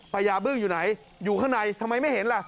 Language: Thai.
พญาบึ้งอยู่ไหนอยู่ข้างในทำไมไม่เห็นล่ะ